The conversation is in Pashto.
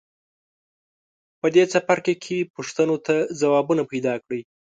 په دې څپرکي کې پوښتنو ته ځوابونه پیداکړئ.